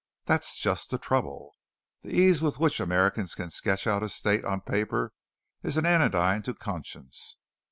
That's just the trouble. The ease with which Americans can sketch out a state on paper is an anodyne to conscience.